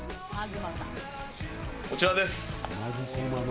こちらです。